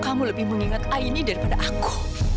kau lebih menyayangi aini daripada aku